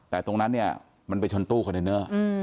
แต่ตรงนั้นเนี่ยมันไปชนตู้คอนเทนเนอร์